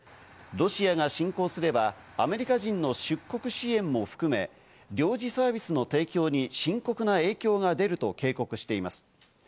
ロシアが侵攻すればアメリカ人の出国支援も含め領事サービスの提供に深刻な影響が出ると警告しています。